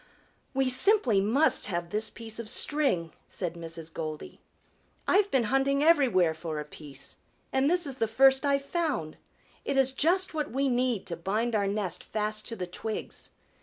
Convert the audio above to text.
"We simply must have this piece of string," said Mrs. Goldy. "I've been hunting everywhere for a piece, and this is the first I've found. It is just what we need to bind our nest fast to the twigs.